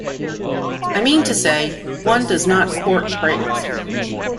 I mean to say, one does not court praise.